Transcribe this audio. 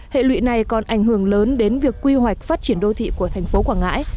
hệ lụy này còn ảnh hưởng lớn đến việc quy hoạch phát triển đô thị của thành phố quảng ngãi